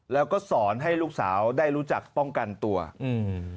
แล้วก็สอนให้ลูกสาวได้รู้จักป้องกันตัวอืม